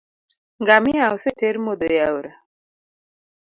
Ngamia oseter modho e aora